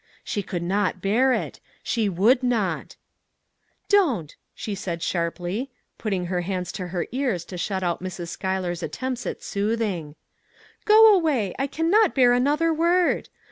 She could not bear it ! She would not !" Don't !" she said sharply, putting her hands to her ears to shut out Mrs. Schuyler's attempts at soothing. " Go away ! I can not bear another word.